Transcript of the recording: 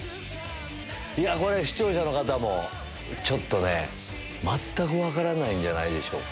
いやこれ視聴者の方もちょっとね全く分からないんじゃないでしょうか。